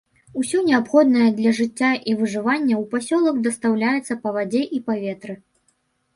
Усё неабходнае для жыцця і выжывання ў пасёлак дастаўляецца па вадзе і паветры.